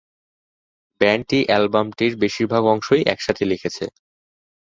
ব্যান্ডটি অ্যালবামটির বেশিরভাগ অংশই একসাথে লিখেছে।